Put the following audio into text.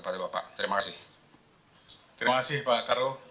terima kasih pak karu